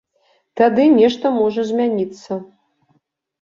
Тады нешта можа змяніцца.